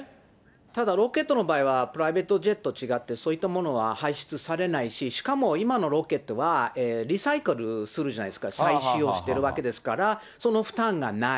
ただロケットの場合はプライベートジェットと違って、そういったものは排出されないし、しかも今のロケットはリサイクルするじゃないですか、再使用してるわけですから、その負担がない。